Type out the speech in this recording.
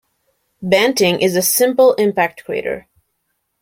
Banting is a "simple" impact crater.